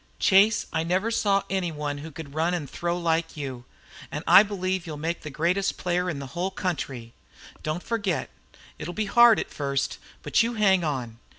"Chase, I never saw any one who could run and throw like you, and I believe you'll make the greatest player in the whole country. Don't forget. It'll be hard at first. But you hang on!